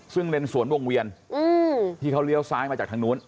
ซึ่งเลนสวนวงเวียนที่เขาเลี้ยวซ้ายมาจากทางนู้น